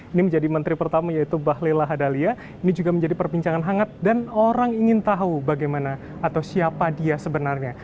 ini menjadi menteri pertama yaitu bahlil lahadalia ini juga menjadi perbincangan hangat dan orang ingin tahu bagaimana atau siapa dia sebenarnya